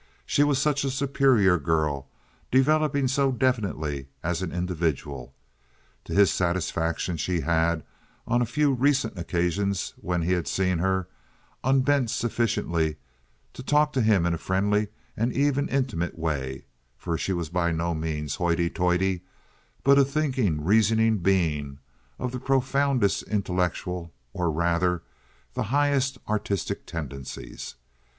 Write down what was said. She was such a superior girl, developing so definitely as an individual. To his satisfaction she had, on a few recent occasions when he had seen her, unbent sufficiently to talk to him in a friendly and even intimate way, for she was by no means hoity toity, but a thinking, reasoning being of the profoundest intellectual, or, rather, the highest artistic tendencies.